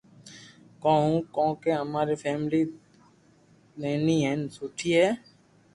ھون ڪونڪو اما رو فيملي نيني ھين سوٺي ھي